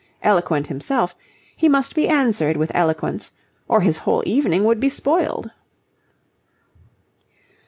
Eloquent himself, he must be answered with eloquence, or his whole evening would be spoiled.